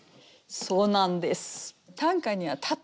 そうなんです。